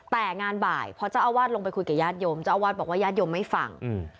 แต่งานบ่ายพอเจ้าอาวาสลงไปคุยกับญาติโยมเจ้าอาวาสบอกว่าญาติโยมไม่ฟัง